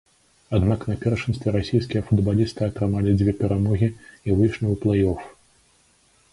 Аднак на першынстве расійскія футбалісты атрымалі дзве перамогі і выйшлі ў плэй-оф.